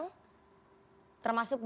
membatalkan acara yang melibatkan banyak orang